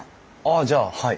あじゃあはい。